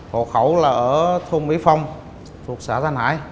hồ khẩu là ở thôn mỹ phong thuộc xã giang hải